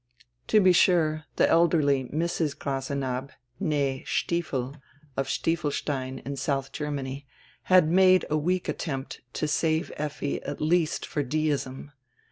To be sure, tire elderly Mrs. Grasenabb, nee Stiefel, of Stiefelstein in South Ger many, had nrade a weak attenrpt to save Effi at least for deisnr.